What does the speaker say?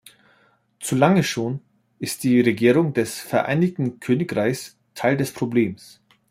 Zu lange schon ist die Regierung des Vereinigten Königreichs Teil des Problems.